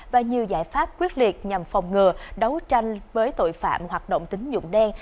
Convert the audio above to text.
và nhiều giải pháp quyết liệt nhằm phòng ngừa đấu tranh với tội phạm hoạt động tính dụng đen